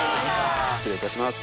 失礼いたします。